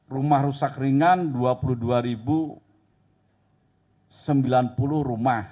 rumah rusak ringan dua puluh dua sembilan puluh rumah